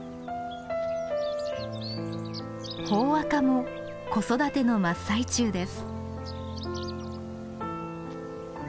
ホオアカも子育ての真っ最中です。